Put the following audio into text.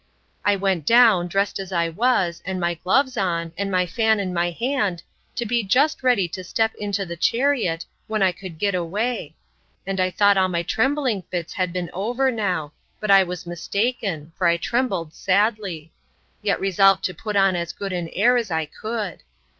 I went down, dressed as I was, and my gloves on, and my fan in my hand, to be just ready to step into the chariot, when I could get away; and I thought all my trembling fits had been over now; but I was mistaken; for I trembled sadly. Yet resolved to put on as good an air as I could.